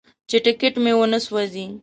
چې ټکټ مې ونه سوځوي.